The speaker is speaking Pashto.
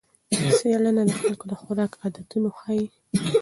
څېړنه د خلکو د خوراک عادتونه ښيي.